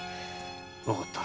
わかった。